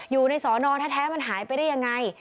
อยู่ในสอนอแท้มันหายไปได้ยังไง